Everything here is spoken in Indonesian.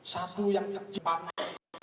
satu yang kecil